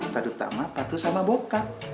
terutama patuh sama bokap